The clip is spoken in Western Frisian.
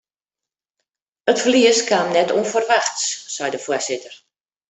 It ferlies kaam net ûnferwachts, seit de foarsitter.